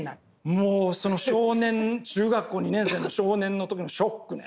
もう少年中学校２年生の少年の時のショックね。